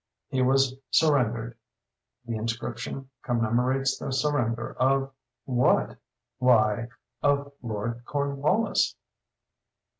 He was surrendered. The inscription commemorates the surrender of—what?—why, "of Lord Cornwallis."